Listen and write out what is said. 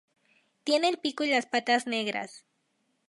Tiene el pico y las patas negras.